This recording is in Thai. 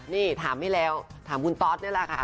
นี่ถามให้แล้วถามคุณต๊อตได้ล่ะค่ะ